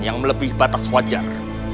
yang melebih batas wajar